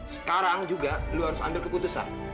sekarang juga lo harus ambil keputusan